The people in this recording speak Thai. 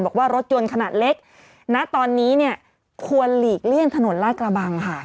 บอกว่ารถยนต์ขนาดเล็กณตอนนี้เนี่ยควรหลีกเลี่ยงถนนลาดกระบังค่ะ